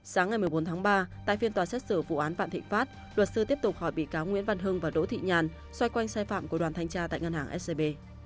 sáng ngày một mươi bốn tháng ba tại phiên tòa xét xử vụ án vạn thịnh pháp luật sư tiếp tục hỏi bị cáo nguyễn văn hưng và đỗ thị nhàn xoay quanh sai phạm của đoàn thanh tra tại ngân hàng scb